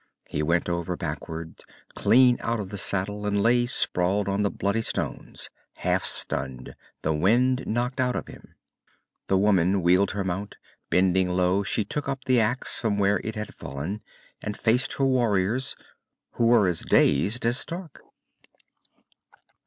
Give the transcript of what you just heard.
He went over backward, clean out of the saddle, and lay sprawled on the bloody stones, half stunned, the wind knocked out of him. The woman wheeled her mount. Bending low, she took up the axe from where it had fallen, and faced her warriors, who were as dazed as Stark.